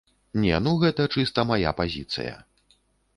Не, ну гэта чыста мая пазіцыя.